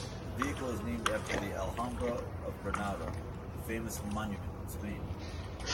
The vehicle is named after the Alhambra of Granada, a famous monument in Spain.